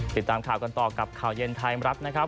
ติดตามข่าวกันต่อกับข่าวเย็นไทยรัฐนะครับ